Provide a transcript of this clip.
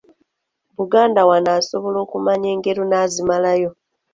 Buganda wano asobola kumanya ngero n’azimalayo.